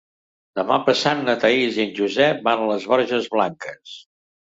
Demà passat na Thaís i en Josep van a les Borges Blanques.